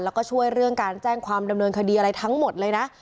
แล้วก็ช่วยเรื่องการแจ้งความดำเนินคดีอะไรทั้งหมดเลยนะ